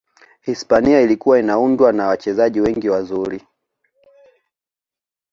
hispania ilikuwa inaundwa na wachezaji wengi wazuri